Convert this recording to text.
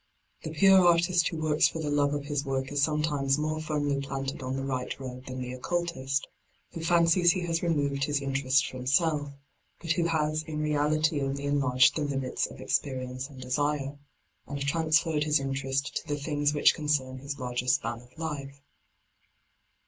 The pure artist who works for the love of his work is sometimes more firmly planted on the right road than the occultist, who fancies he has removed his interest from self, but who has in reality only enlarged the limits of experience and desire, and transferred his interest to the things which concern his larger span of life.